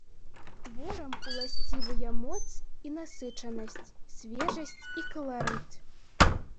Творам уласцівыя моц і насычанасць, свежасць і каларыт.